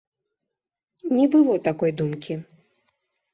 Не было такой думкі.